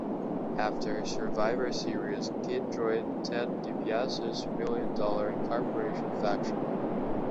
After Survivor Series, Kid joined Ted DiBiase's Million Dollar Corporation faction.